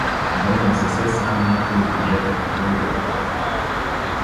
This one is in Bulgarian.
Върнали са се само някои от мъжете, българи.